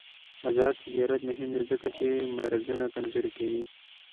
آزاد تجارت مهم دی ځکه چې مرزونه کمزوري کوي.